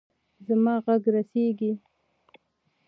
زما ږغ رسیږي.